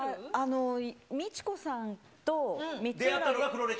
ミチコさんと。